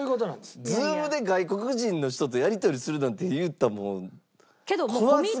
Ｚｏｏｍで外国人の人とやり取りするなんていったらもう怖すぎて。